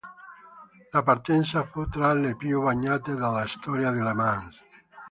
La partenza fu tra le più bagnate della storia di Le Mans.